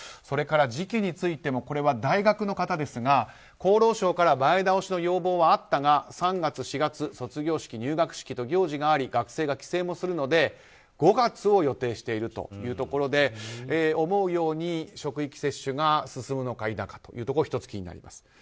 それから時期についてもこれは大学の方ですが厚労省から前倒しの要望はあったが３月、４月卒業式、入学式と行事があり学生が帰省もするので５月を予定しているというところで思うように職域接種が進むのか、いなか気になります。